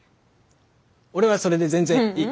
俺はそれで全然いい。